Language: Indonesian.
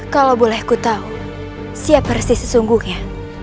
kalau boleh kutahu siapa resi sesungguhnya